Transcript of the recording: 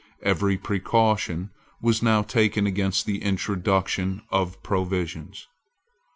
Every precaution was now taken against the introduction of provisions.